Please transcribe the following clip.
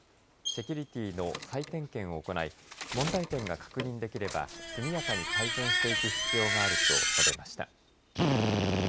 セキュリティーの再点検を行い問題点が確認できれば速やかに改善していく必要があると述べました。